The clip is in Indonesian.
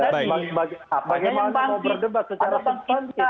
bagaimana mau berdebat secara substantif